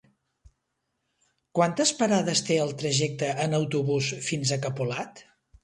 Quantes parades té el trajecte en autobús fins a Capolat?